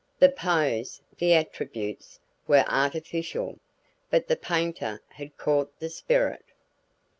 The pose, the attributes, were artificial; but the painter had caught the spirit.